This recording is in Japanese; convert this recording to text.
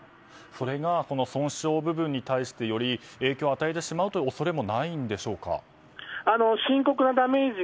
それが損傷部分に影響を与えてしまう恐れも深刻なダメージ。